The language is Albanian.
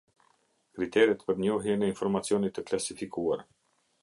Kriteret për njohjen e informacionit të klasifikuar.